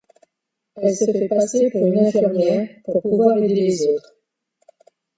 Elle se fait passer pour une infirmière pour pouvoir aider les autres.